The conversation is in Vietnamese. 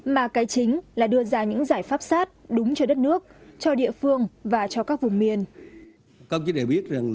mà cái chính là đưa ra những giải pháp sát đúng cho đất nước cho địa phương và cho các vùng miền